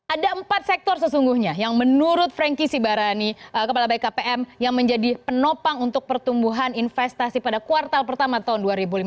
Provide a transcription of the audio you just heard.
ada empat sektor sesungguhnya yang menurut franky sibarani kepala bkpm yang menjadi penopang untuk pertumbuhan investasi pada kuartal pertama tahun dua ribu lima belas